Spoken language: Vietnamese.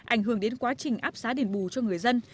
ảnh hưởng đến quá trình áp giá đền bù cho người dân